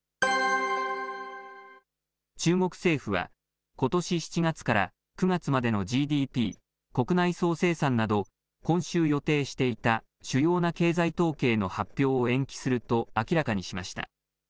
中国政府はことし７月から９月までのＧＤＰ・国内総生産など今週予定していた主要な経済統計の発表を延期すると明らかにしました。